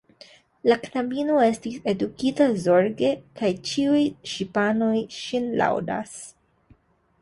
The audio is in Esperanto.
La knabino estis edukita zorge, kaj ĉiuj ŝipanoj ŝin laŭdas.